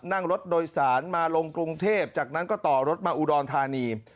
นั่งรถโดยสารมาลงกรุงเทพจากนั้นก็ต่อรถมาอุดรธานี